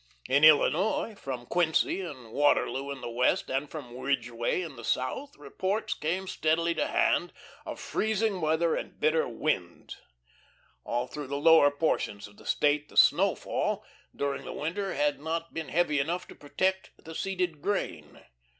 In Illinois, from Quincy and Waterloo in the west, and from Ridgway in the south, reports came steadily to hand of freezing weather and bitter winds. All through the lower portions of the State the snowfall during the winter had not been heavy enough to protect the seeded grain.